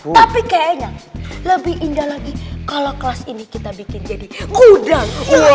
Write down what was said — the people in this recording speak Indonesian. tapi kayaknya lebih indah lagi kalau kelas ini kita bikin jadi gudang